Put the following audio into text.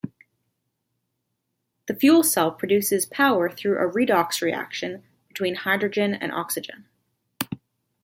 The fuel cell produces power through a redox reaction between hydrogen and oxygen.